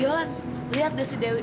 yola lihat deh si dewi